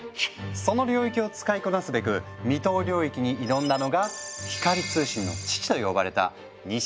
その領域を使いこなすべく未踏領域に挑んだのが「光通信の父」と呼ばれた西澤潤一さん。